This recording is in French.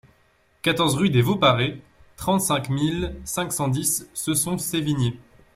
quatorze rue des Vaux Parés, trente-cinq mille cinq cent dix Cesson-Sévigné